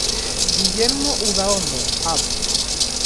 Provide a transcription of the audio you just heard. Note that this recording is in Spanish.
Guillermo Udaondo, Av.